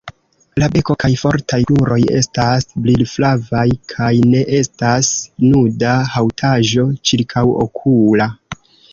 La beko kaj fortaj kruroj estas brilflavaj, kaj ne estas nuda haŭtaĵo ĉirkaŭokula.